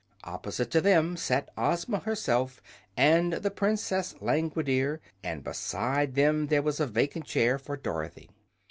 Opposite to them sat Ozma herself and the Princess Langwidere, and beside them there was a vacant chair for Dorothy.